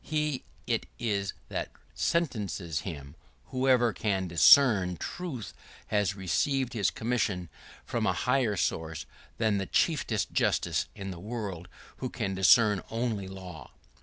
He it is that sentences him. Whoever can discern truth has received his commission from a higher source than the chiefest justice in the world who can discern only law.